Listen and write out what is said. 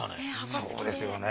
そうですよね。